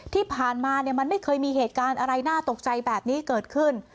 ที่ผ่านมามันไม่เคยมีเหตุการณ์อะไรน่าตกใจแบบนี้เกิดขึ้น